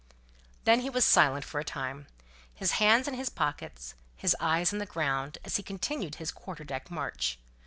Then he was silent for a time; his hands in his pockets, his eyes on the ground, as he continued his quarter deck march.